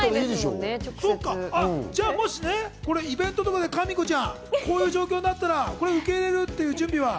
もしイベントとかで、かみこちゃん、こういう状況になったら受け入れる準備は？